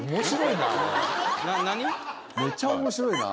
面白いな。